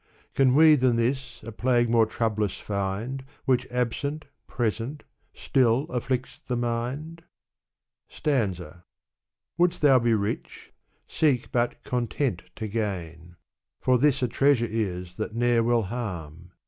Can we than this a plague more troublous findj Which absent, present, still afficts the mind ? Stanza. Wouldst thou be rich, seek but content to gain \ For this a treasure is that ne*er will harm.